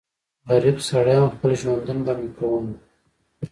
غريب سړی ووم خپل ژوندون به مې کوونه